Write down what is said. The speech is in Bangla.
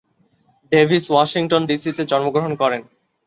ডেভিস ওয়াশিংটন ডিসিতে জন্মগ্রহণ করেন।